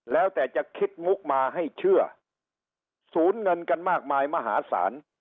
แล้วแต่จะคิดมุกมาให้เชื่อสูญเงินกันมากมายมหาศาล